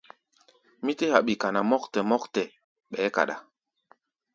Mí tɛ́ haɓi kana mɔ́ktɛ mɔ́ktɛ, ɓɛɛ́ kaɗá.